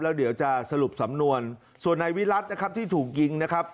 แล้วเดี๋ยวจะสรุปสำนวนส่วนนายวิรัตินะครับที่ถูกยิงนะครับ